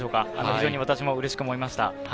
非常に私も嬉しく思いました。